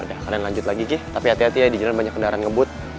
udah kalian lanjut lagi kih tapi hati hati ya di jalan banyak kendaraan ngebut